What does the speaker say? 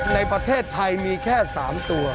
ในประเทศไทยมีแค่๓ตัว